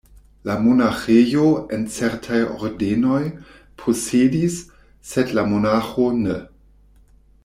La monaĥejo, en certaj ordenoj, posedis, sed la monaĥo ne.